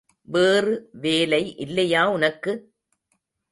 வேறு வேலை இல்லையா உனக்கு?